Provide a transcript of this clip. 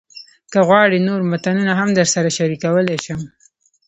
که غواړئ، نور متنونه هم درسره شریکولی شم.